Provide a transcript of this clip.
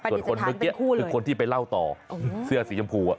ส่วนคนที่ไปเล่าต่อเสื้อสีชมพู